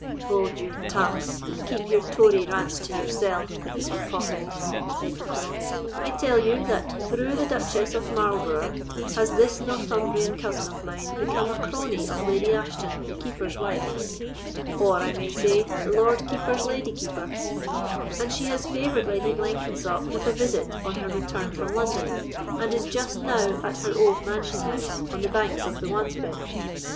"Hold your tongue, and keep your Tory rants to yourself, if it be possible," said Bucklaw. "I tell you, that through the Duchess of Marlborough has this Northumbrian cousin of mine become a crony of Lady Ashton, the Keeper's wife, or, I may say, the Lord Keeper's Lady Keeper, and she has favoured Lady Blenkensop with a visit on her return from London, and is just now at her old mansion house on the banks of the Wansbeck.